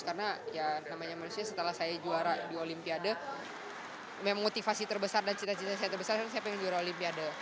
karena ya namanya manusia setelah saya juara di olimpiade motivasi terbesar dan cita cita saya terbesar adalah saya pengen juara olimpiade